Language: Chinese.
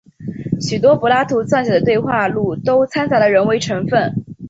许多柏拉图撰写的对话录都参杂了人为成分。